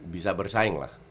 bisa bersaing lah